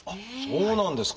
そうなんですか。